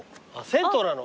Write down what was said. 銭湯なの？